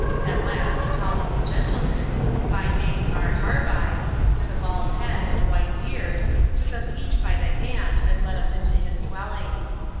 At last, a tall old gentleman, by name Marharvai, with a bald head and white beard, took us each by the hand, and led us into his dwelling.